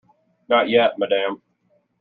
Not yet, madam.